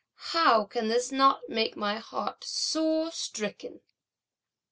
How can this not make my heart sore stricken?"